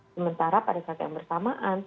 sementara pada saat yang bersamaan